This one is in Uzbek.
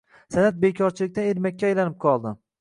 San’at bekorchiliqdan ermakka aylanib qoldi